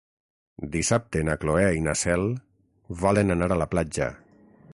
Dissabte na Cloè i na Cel volen anar a la platja.